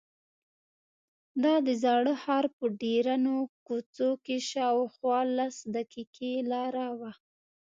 دا د زاړه ښار په ډبرینو کوڅو کې شاوخوا لس دقیقې لاره وه.